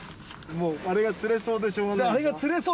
もうあれが釣れそうでしょうがないでしょ